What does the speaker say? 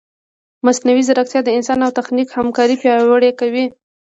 مصنوعي ځیرکتیا د انسان او تخنیک همکاري پیاوړې کوي.